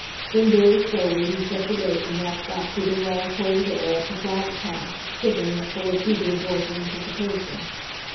Then, very slowly, he shut the gate and walked back through the raw, cold air, up the flagged path, shivering yet full of eager, joyful anticipation.